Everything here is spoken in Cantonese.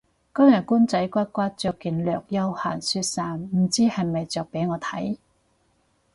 今日官仔骨骨着件略休閒恤衫唔知係咪着畀我睇